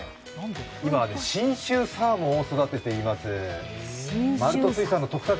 今、信州サーモンを育てています。